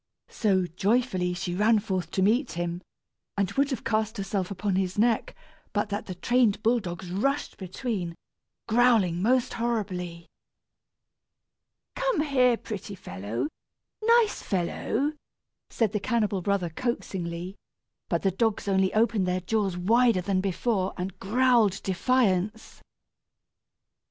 So, joyfully, she ran forth to meet him, and would have cast herself upon his neck, but that the trained bull dogs rushed between, growling most horribly. "Come here, pretty fellow, nice fellow," said the cannibal brother, coaxingly; but the dogs only opened their jaws wider than before and growled defiance.